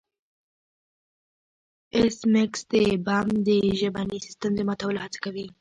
ایس میکس د بم د ژبني سیستم د ماتولو هڅه کوي